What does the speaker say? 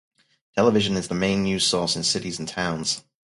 Television is the main news source in cities and towns.